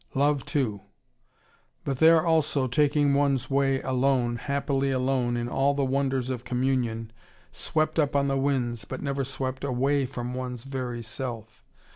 Love too. But there also, taking one's way alone, happily alone in all the wonders of communion, swept up on the winds, but never swept away from one's very self.